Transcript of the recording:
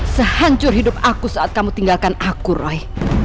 sehancur hidup aku saat kamu tinggalkan aku roy